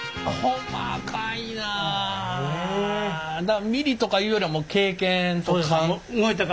だからミリとかいうよりはもう経験と勘。